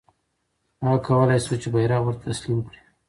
هغه کولای سوای چې بیرغ ورته تسلیم کړي.